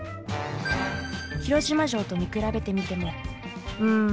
広島城と見比べてみてもん